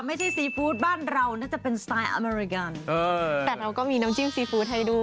ซีฟู้ดบ้านเราน่าจะเป็นสไตล์อเมริกันแต่เราก็มีน้ำจิ้มซีฟู้ดให้ดู